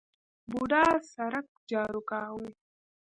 بوډا سرک جارو کاوه.